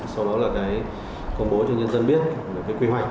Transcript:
sau đó là công bố cho nhân dân biết về quy hoạch